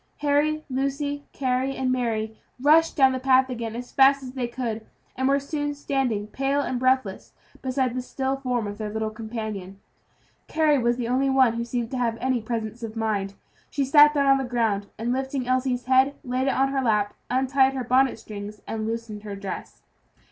Harry, Lucy, Carry, and Mary, rushed down the path again as fast as they could, and were soon standing pale and breathless beside the still form of their little companion. Carry was the only one who seemed to have any presence of mind. She sat down on the ground, and lifting Elsie's head, laid it on her lap, untied her bonnet strings, and loosened her dress.